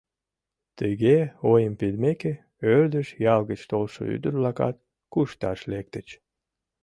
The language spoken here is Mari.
Тыге ойым пидмеке, ӧрдыж ял гыч толшо ӱдыр-влакат кушташ лектыч.